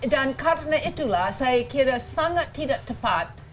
dan karena itulah saya kira sangat tidak tepat